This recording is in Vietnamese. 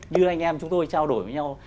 như anh em chúng tôi trao đổi với nhau